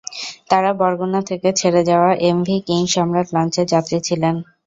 তাঁরা বরগুনা থেকে ছেড়ে যাওয়া এমভি কিং সম্রাট লঞ্চের যাত্রী ছিলেন।